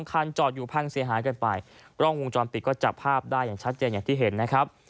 คันจอดอยู่พังเสียหายกันไปกล้องวงจรปิดก็จับภาพได้อย่างชัดเจนอย่างที่เห็นนะครับ